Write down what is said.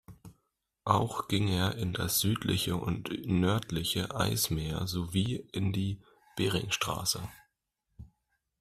Auch ging er in das südliche und nördliche Eismeer sowie in die Beringstraße.